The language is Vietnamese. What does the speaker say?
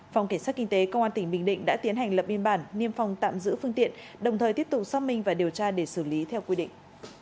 phòng cảnh sát kinh tế công an tỉnh bình định đã tiến hành lập biên bản niêm phòng tạm giữ phương tiện đồng thời tiếp tục xác minh và điều tra để xử lý theo quy định